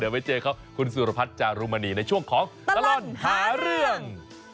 ไปเจอเขาคุณสุรพัฒน์จารุมณีในช่วงของตลอดหาเรื่อง